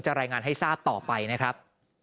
รายงานให้ทราบต่อไปนะครับ